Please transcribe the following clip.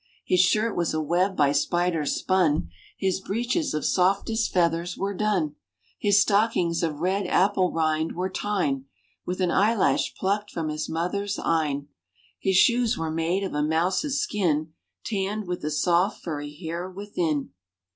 His shirt was a web by spiders spun, His breeches of softest feathers were done, His stockings of red apple rind were tyne, With an eyelash plucked from his mother's eyne. His shoes were made of a mouse's skin, Tanned with the soft furry hair within.